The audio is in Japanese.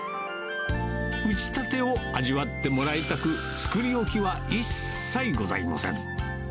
打ちたてを味わってもらいたく、作り置きは一切ございません。